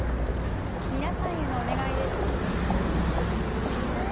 皆さんへのお願いです。